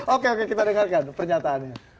oke oke kita dengarkan pernyataannya